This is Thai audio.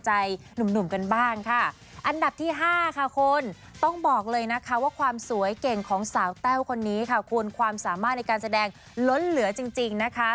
อันดับที่๕ค่ะคุณต้องบอกเลยนะคะว่าความสวยเก่งของสาวแต้วคนนี้ควรความสามารถในการแสดงล้นเหลือจริงนะคะ